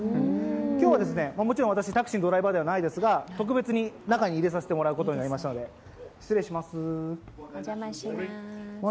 今日はもちろん、私、タクシーのドライバーではないですけども、特別に中に入れさせてもらえることになったので、失礼します。